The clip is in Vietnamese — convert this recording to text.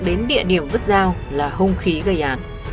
đến địa điểm vứt dao là hung khí gây án